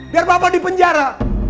biar papa di penjara